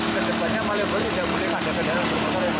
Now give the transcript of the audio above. kejepatannya malioboro tidak boleh ada kendaraan terkumpul